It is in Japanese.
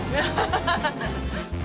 ハハハハ！